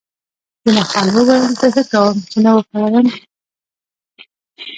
جمعه خان وویل: زه ښه کوم، چې نه ورته وایم.